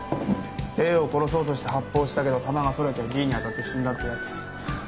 Ａを殺そうとして発砲したけど弾がそれてＢに当たって死んだってやつ。